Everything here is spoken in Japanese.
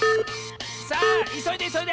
さあいそいでいそいで！